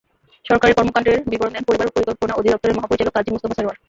সরকারের কর্মকাণ্ডের বিবরণ দেন পরিবার পরিকল্পনা অধিদপ্তরের মহাপরিচালক কাজী মোস্তফা সারোয়ার।